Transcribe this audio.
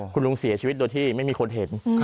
คุณลุงเสียชีวิตโดยที่ไม่มีคนเห็น